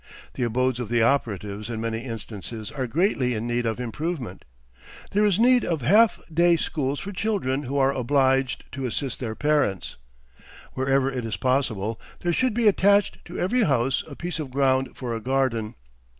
The abodes of the operatives in many instances are greatly in need of improvement. There is need of half day schools for children who are obliged to assist their parents. Wherever it is possible, there should be attached to every house a piece of ground for a garden.